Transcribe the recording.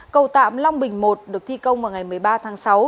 cầu tạm long bình i được thi công vào ngày một mươi ba tháng sáu